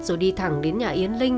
rồi đi thẳng đến nhà yến linh